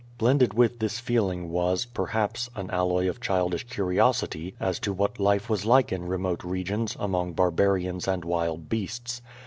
Blended with this feeling was, perhaps, an alloy of childish curiosity as to what life was like in remote regions, among barbarians and wild beasts.